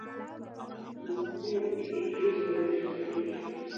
افغانستان په د کلیزو منظره غني دی.